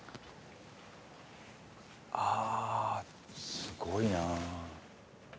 すごいな。